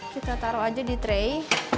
kita taruh aja di tray